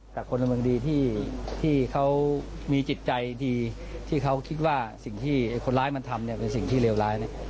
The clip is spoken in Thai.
แต่คนละเมืองดีที่เขามีจิตใจดีที่เขาคิดว่าสิ่งที่คนร้ายมันทำเนี่ยเป็นสิ่งที่เลวร้าย